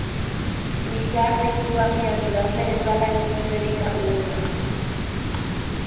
Lizardik du agian idazle bezala entzuterik handiena.